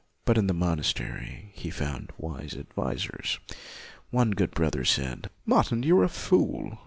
But in the mon astery he found wise advisers. One good brother said, " Martin, you are a fool.